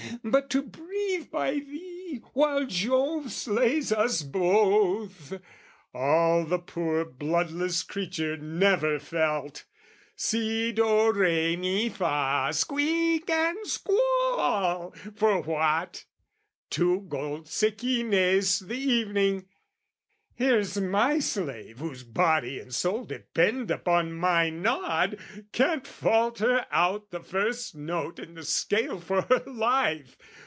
"But to breathe by thee while Jove slays us both!" All the poor bloodless creature never felt, Si, do, re, me, fa, squeak and squall for what? Two gold zecchines the evening! Here's my slave, Whose body and soul depend upon my nod, Can't falter out the first note in the scale For her life!